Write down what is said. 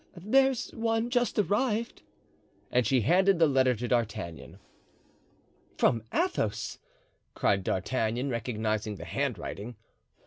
"There's one just arrived," and she handed the letter to D'Artagnan. "From Athos!" cried D'Artagnan, recognizing the handwriting.